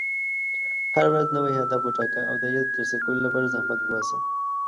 هره ورځ نوی هدف وټاکه، او د هغې د ترسره کولو لپاره زحمت وباسه.